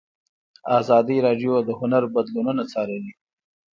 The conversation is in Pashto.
ازادي راډیو د هنر بدلونونه څارلي.